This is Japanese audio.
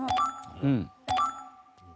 うん。